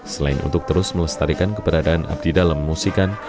selain untuk terus melestarikan keberadaan abdi dalam musikan